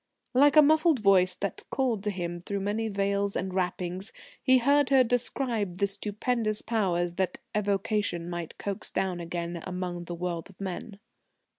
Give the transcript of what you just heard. Like a muffled voice that called to him through many veils and wrappings, he heard her describe the stupendous Powers that evocation might coax down again among the world of men.